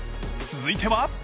続いては］